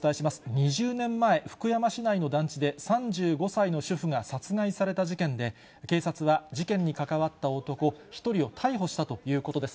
２０年前、福山市内の団地で、３５歳の主婦が殺害された事件で、警察は、事件に関わった男１人を逮捕したということです。